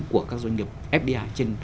của các doanh nghiệp fdi trên